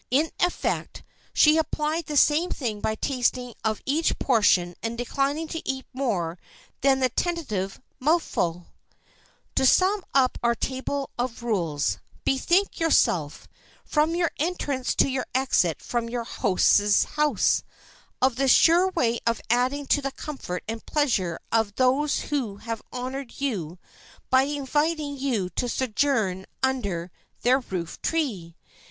In effect, she implied the same thing by tasting of each portion and declining to eat more than the tentative mouthful. [Sidenote: SELF DISCIPLINE] To sum up our table of rules: Bethink yourself, from your entrance to your exit from your host's house, of the sure way of adding to the comfort and pleasure of those who have honored you by inviting you to sojourn under their roof tree.